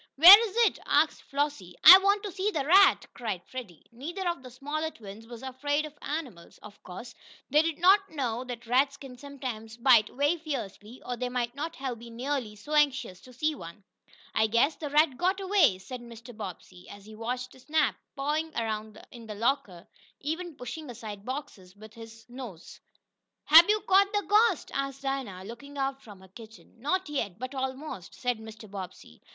"Where is it?" asked Flossie. "I want to see the rat!" cried Freddie. Neither of the smaller twins was afraid of animals. Of course, they did not know that rats can sometimes bite very fiercely, or they might not have been nearly so anxious to see one. "I guess the rat got away," said Mr. Bobbsey, as he watched Snap pawing around in the locker, even pushing aside boxes with his nose. "Hab yo' cotched de ghost?" asked Dinah, looking out from her kitchen. "Not yet but almost," said Mr. Bobbsey.